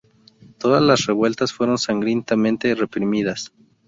Todas las revueltas fueron sangrientamente reprimidas.